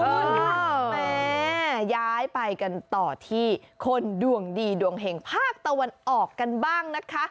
แม่ย้ายไปกันต่อที่คนดวงดีดวงเห็งภาคตะวันออกกันบ้างนะคะ